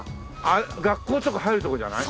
あっ学校とか入るとこじゃない？